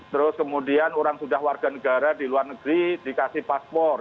terus kemudian orang sudah warga negara di luar negeri dikasih paspor